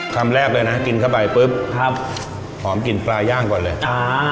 คำแรกเลยนะกินเข้าไปปุ๊บครับหอมกินปลาย่างก่อนเลยอ่า